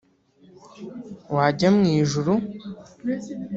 wajya mu ijuru